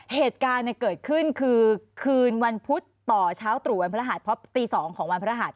เหตุการณ์เกิดขึ้นคือคืนวันพุธต่อเช้าตรู่วันพระรหัสเพราะตี๒ของวันพระหัส